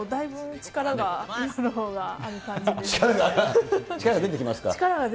力が出てきてます。